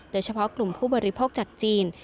โดยเฉพาะกลุ่มผู้บริโภคจากจีน